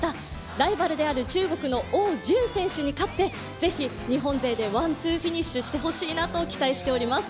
ライバルである中国の汪順選手に勝ってぜひ日本勢でワン、ツーフィニッシュしてほしいなと期待しております。